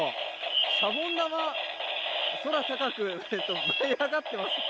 シャボン玉、空高く舞い上がっています。